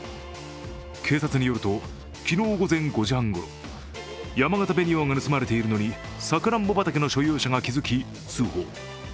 警察によると、昨日午前５時半ごろ、やまがた紅王が盗まれているのにさくらんぼ畑の所有者が気づき、通報。